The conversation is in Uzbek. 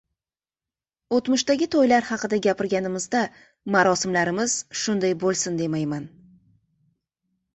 O’tmishdagi to‘ylar haqida gapirganimizda marosimlarimiz shunday bo'lsin demayman.